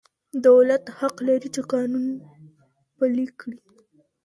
دولت حق لري چي قانون پلي کړي.